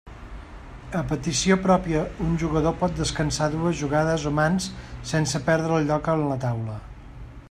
A petició pròpia un jugador pot descansar dues jugades o mans sense perdre el lloc en la taula.